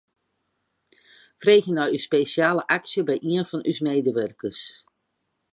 Freegje nei ús spesjale aksje by ien fan ús meiwurkers.